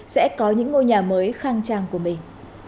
sẽ có những ngôi nhà mới khang trang của mình